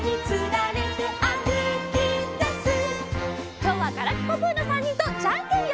きょうは「ガラピコぷ」の３にんとじゃんけんよ！